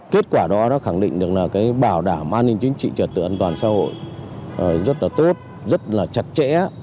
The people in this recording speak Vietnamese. kết quả đó khẳng định được là bảo đảm an ninh chính trị trật tự an toàn xã hội rất tốt rất chặt chẽ